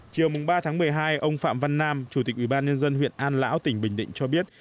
chiều ba một mươi hai ông phạm văn nam chủ tịch ubnd huyện an lão tỉnh bình định cho biết